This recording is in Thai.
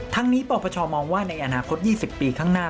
ทั้งนี้ปปชมองว่าในอนาคต๒๐ปีข้างหน้า